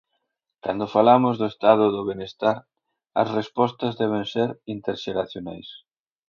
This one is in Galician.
Cando falamos do Estado do benestar, as respostas deben ser interxeracionais.